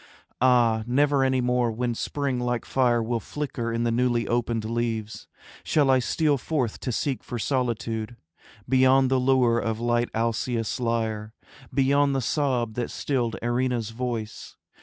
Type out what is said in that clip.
Ah, never any more when spring like fire Will flicker in the newly opened leaves, Shall I steal forth to seek for solitude Beyond the lure of light Alcaeus' lyre, Beyond the sob that stilled Erinna's voice.